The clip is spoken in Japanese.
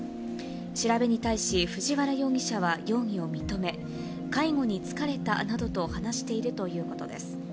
調べに対し藤原容疑者は容疑を認め、介護に疲れたなどと話しているということです。